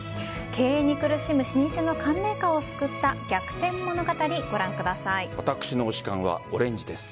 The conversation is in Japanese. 経営に苦しむ老舗の缶メーカーを救った逆転物語、ご覧ください。